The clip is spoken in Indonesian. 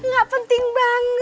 gak penting banget